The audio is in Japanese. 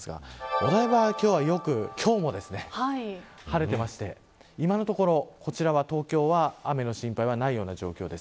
お台場は今日もよく晴れていて今のところ、こちら東京は雨の心配はないような状況です。